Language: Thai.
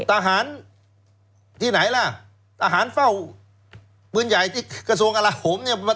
ตาหารที่ไหนล่ะตาหารเฝ้าปืนใหญ่ที่กระทรวงอละโหม